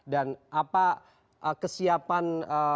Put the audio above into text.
dan apa kesiapan